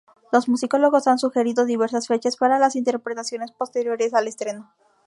Los musicólogos han sugerido diversas fechas para las interpretaciones posteriores al estreno.